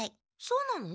そうなの？